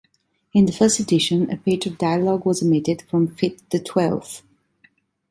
In the first edition a page of dialogue was omitted from Fit the Twelfth.